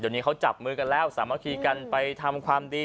เดี๋ยวนี้เขาจับมือกันแล้วสามัคคีกันไปทำความดี